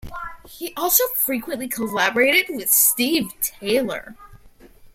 He also frequently collaborated with Steve Taylor.